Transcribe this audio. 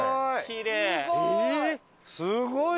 きれい！